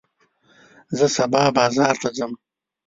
زه سبا بازار ته ځم.